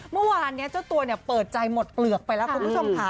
เมื่อวานนี้เจ้าตัวเปิดใจหมดเปลือกไปแล้วคุณผู้ชมค่ะ